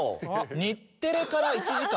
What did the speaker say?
「日テレから１時間」。